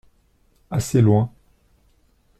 Assez loin.